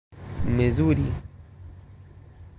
mezuri